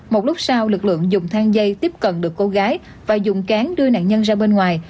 một lúc sau lực lượng dùng thang dây tiếp cận được cô gái và dùng cán đưa nạn nhân ra bên ngoài